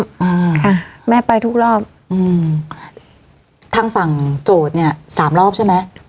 อ่าค่ะแม่ไปทุกรอบอืมทางฝั่งโจทย์เนี้ยสามรอบใช่ไหม